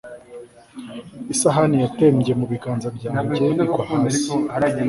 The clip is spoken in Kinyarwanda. isahani yatembye mu biganza byanjye igwa hasi